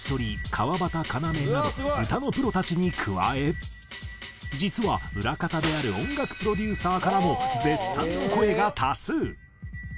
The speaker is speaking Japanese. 川畑要など歌のプロたちに加え実は裏方である音楽プロデューサーからも絶賛の声が多数！